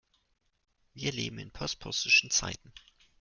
Wir leben in postpostischen Zeiten.